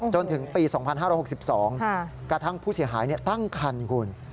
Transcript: จนถึงปี๒๕๖๒กระทั่งผู้เสียหายตั้งคันคุณ